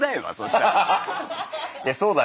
いやそうだね。